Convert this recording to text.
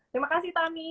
terima kasih tami